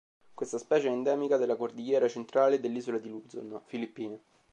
Questa specie è endemica della cordigliera centrale dell'Isola di Luzon, Filippine.